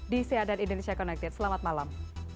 di sea dan indonesia connected selamat malam